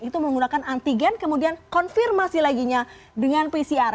itu menggunakan antigen kemudian konfirmasi laginya dengan pcr